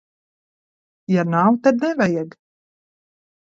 Ja nav, tad nevajag.